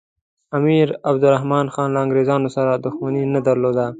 امیر عبدالرحمن خان له انګریزانو سره دښمني نه درلوده.